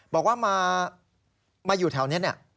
บอกว่ามาอยู่แถวนี้เนี่ย